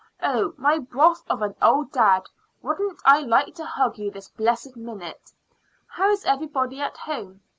Oh, my broth of an old dad, wouldn't I like to hug you this blessed minute? How is everybody at home?